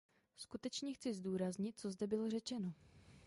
Skutečně chci zdůraznit, co zde bylo řečeno.